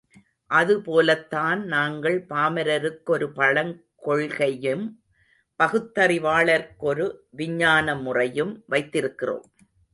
அது போலத்தான் நாங்கள் பாமரருக்கொரு பழங் கொள்கையும், பகுத்தறிவாளர்க்கொரு விஞ்ஞான முறையும் வைத்திருக்கிறோம்.